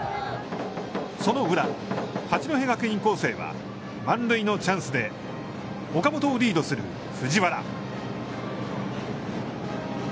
その裏八戸学院光星は満塁のチャンスで岡本をリードする藤原。